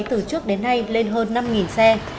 từ trước đến nay lên hơn năm xe